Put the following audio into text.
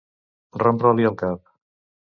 Rompre-li el cap.